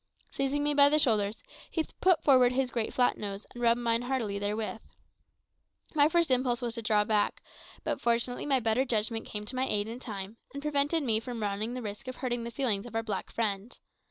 Seizing me by the shoulders, he put forward his great flat nose and rubbed mine heartily therewith. My first impulse was to draw back, but fortunately my better judgment came to my aid in time, and prevented me from running the risk of hurting the feelings of our black friend.